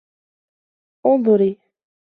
أنظرِ.